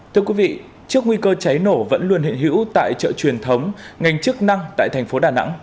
trước nguy cơ cháy nổ vẫn luôn hiện hữu tại chợ truyền thống ngành chức năng tại thành phố đà nẵng